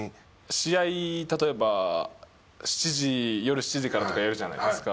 試合例えば夜７時からとかやるじゃないですか。